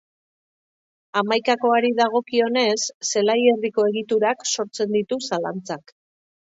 Hamaikakoari dagokionez, zelai erdiko egiturak sortzen ditu zalantzak.